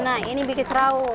nah ini bikin serau